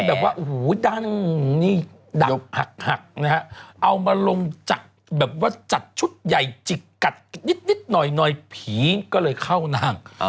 แบบว่าโหดังดักหักนะฮะเอามาลงจัดชุดใหญ่จิกกัดนิดหน่อยผีก็เลยเข้านาง